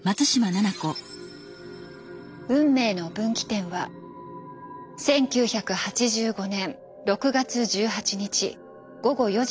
運命の分岐点は１９８５年６月１８日午後４時３０分。